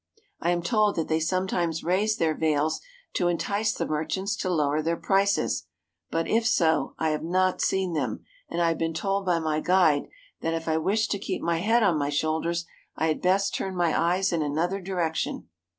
I am told that they sometimes raise their veils to entice the merchants to lower their prices, but if so, I have not seen them, and I have been told by my guide that if I wish to keep my head on my shoulders I had best turn my eyes in another direction.